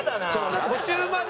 途中までね